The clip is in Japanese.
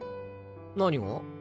何が？